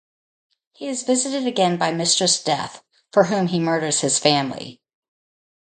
He is visited again by Mistress Death, for whom he murders his family.